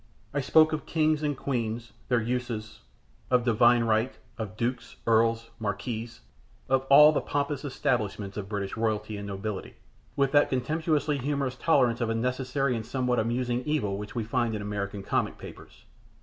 I spoke of kings and queens and their uses in no uncertain phrases, of divine right, of dukes, earls, marquises of all the pompous establishments of British royalty and nobility with that contemptuously humorous tolerance of a necessary and somewhat amusing evil which we find in American comic papers.